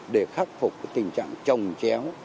để khắc phục tình trạng trồng chéo